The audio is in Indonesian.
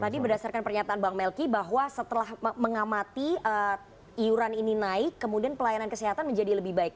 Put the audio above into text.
tadi berdasarkan pernyataan bang melki bahwa setelah mengamati iuran ini naik kemudian pelayanan kesehatan menjadi lebih baik